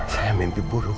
saya mimpi burung